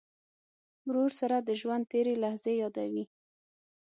ورور سره د ژوند تېرې لحظې یادوې.